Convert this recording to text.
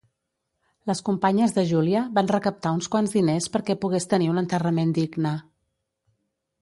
Les companyes de Júlia van recaptar uns quants diners perquè pogués tenir un enterrament digne.